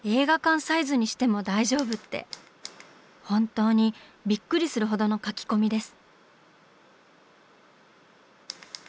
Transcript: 本当にびっくりするほどの描き込みです。